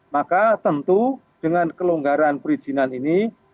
maka tentu dengan kelonggaran perizinan ini